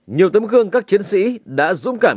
nhiều tấm gương các chiến sĩ đã dũng cảm